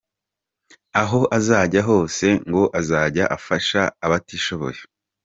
Aho azajya hose ngo azajya afasha abatishoboye.